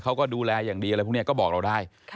เขาก็ดูแลอย่างดีอะไรพวกนี้ก็บอกเราได้